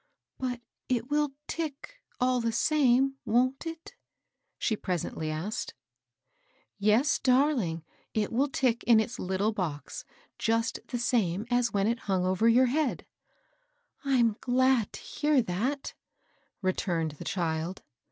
"But it will Uck all the same, wont it?" she presently asked. Yes, darling ; it will tick in its Httk box, just the same as when it hung over your head." DOMESTIC ACCOUNTS. 243 " I'm glad to hear that I " returned the child.